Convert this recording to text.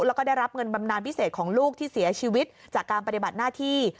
แล้วก็ได้รับเงินบำนานพิเศษของลูกที่เสียชีวิตจากการปฏิบัติหน้าที่